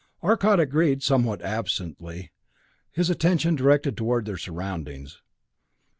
Arcot agreed somewhat absently, his attention directed toward their surroundings.